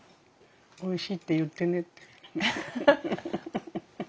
おいしいって言ってねって。